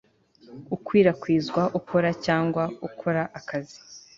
ukwirakwiza ukora cyangwa ukora akazi